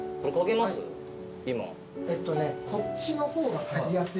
えっとねこっちの方が嗅ぎやすい。